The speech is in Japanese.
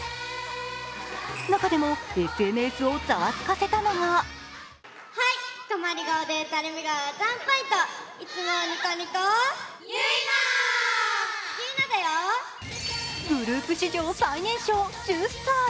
中でもＳＮＳをざわつかせたのがグループ史上最年少１０歳。